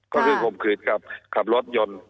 ก็คือข่มขืดกับขับรถยนต์